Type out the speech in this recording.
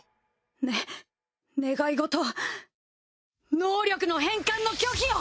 ね願い事能力の返還の拒否を！